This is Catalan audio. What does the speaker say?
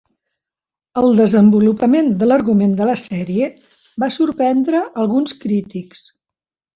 El desenvolupament de l'argument de la sèrie va sorprendre alguns crítics.